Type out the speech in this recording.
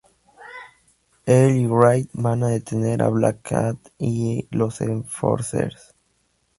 Él y Wraith van a detener a Black Cat y los Enforcers.